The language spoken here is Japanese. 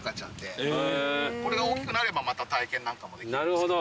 これが大きくなればまた体験なんかもできるんですけど。